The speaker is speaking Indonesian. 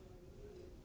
dia udah berangkat